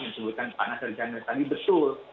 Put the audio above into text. yang disebutkan pak nasar jandul tadi betul